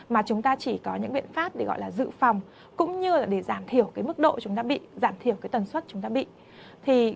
mà chúng ta chỉ có những biện pháp để gọi là dự phòng cũng như để giảm thiểu mức độ chúng ta bị giảm thiểu tần suất chúng ta bị